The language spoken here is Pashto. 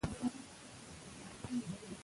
که علم لاسرسی ولري، نابرابري ژوره نه پاتې کېږي.